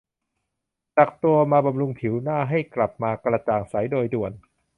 สักตัวมาบำรุงผิวหน้าให้กลับมากระจ่างใสโดยด่วน